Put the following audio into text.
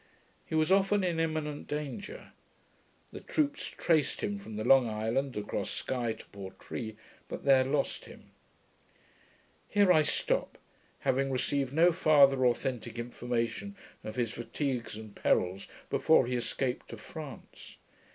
He was often in imminent danger. The troops traced him from the Long Island, across Sky, to Portree, but there lost him. Here I stop, having received no farther authentic information of his fatigues and perils before he escaped to France.